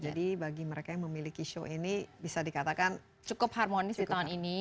jadi bagi mereka yang memiliki sio ini bisa dikatakan cukup harmonis di tahun ini